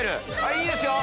いいですよ！